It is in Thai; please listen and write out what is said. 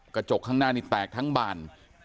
กระจกข้างหน้านี่แตกทั้งบาน